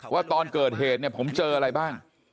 ว่าตอนเกิดเหตุเนี่ยผมเจออะไรบ้าง